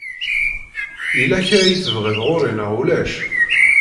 Yella kra i tebɣiḍ ɣur-i neɣ ulac?